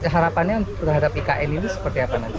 harapannya terhadap ikn ini seperti apa nanti